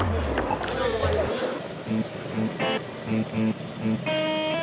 mau makan saksikan